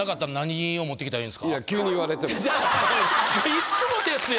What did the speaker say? いつもですやん。